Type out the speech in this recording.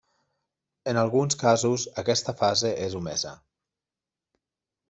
En alguns casos aquesta fase és omesa.